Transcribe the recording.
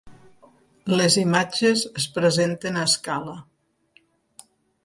Les imatges es presenten a escala.